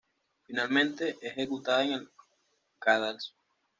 Finalmente, es ejecutada en el cadalso.